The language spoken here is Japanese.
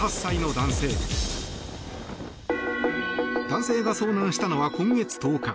男性が遭難したのは今月１０日。